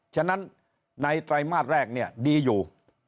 ฉะนั้นในไตรมาสแรกเนี่ยดีอยู่